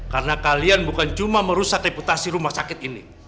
karena kalian bukan cuma merusak reputasi rumah sakit ini